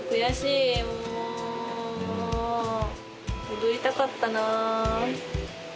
踊りたかったなあ。